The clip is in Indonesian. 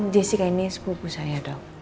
jessica ini sepupu saya dok